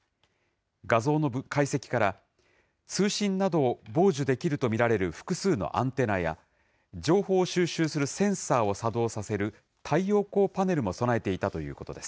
画像の解析から、通信などを傍受できると見られる複数のアンテナや、情報を収集するセンサーを作動させる太陽光パネルも備えていたということです。